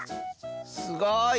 すごい！